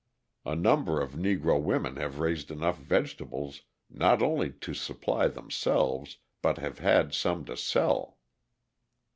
A number of Negro women have raised enough vegetables not only to supply themselves but have had some to sell.